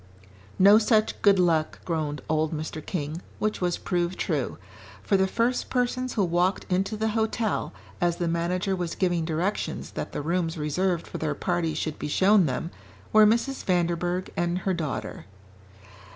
"No such good luck," groaned old Mr. King, which was proved true. For the first persons who walked into the hotel, as the manager was giving directions that the rooms reserved for their party should be shown them, were Mrs. Vanderburgh and her daughter.